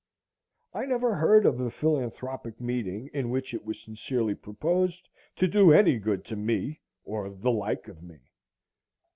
I never heard of a philanthropic meeting in which it was sincerely proposed to do any good to me, or the like of me.